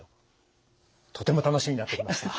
とても楽しみになってきました。